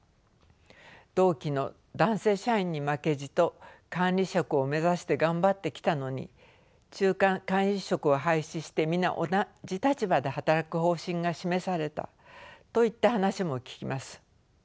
同期の男性社員に負けじと管理職を目指して頑張ってきたのに中間管理職を廃止して皆同じ立場で働く方針が示されたといった話も聞きます。